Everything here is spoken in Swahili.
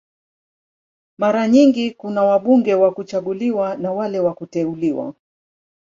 Mara nyingi kuna wabunge wa kuchaguliwa na wale wa kuteuliwa.